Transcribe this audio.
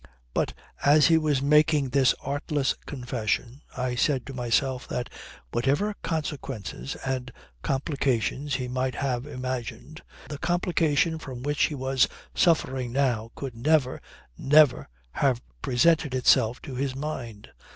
But as he was making this artless confession I said to myself that, whatever consequences and complications he might have imagined, the complication from which he was suffering now could never, never have presented itself to his mind.